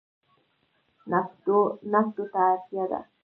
نفتو ته اړتیا ده.